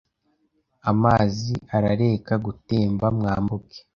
amazi arareka gutemba mwambuke